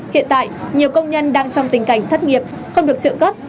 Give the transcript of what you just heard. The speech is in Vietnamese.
hiện tại nhiều công nhân đang trong tình cảnh thất nghiệp không được trợ cấp